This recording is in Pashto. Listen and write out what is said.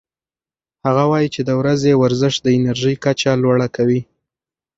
هغه وايي چې د ورځې ورزش د انرژۍ کچه لوړه کوي.